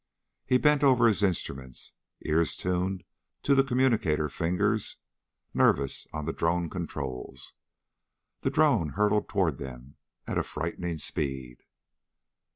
He bent over his instruments, ears tuned to the communicator fingers nervous on the drone controls. The drone hurtled toward them at a frightening speed.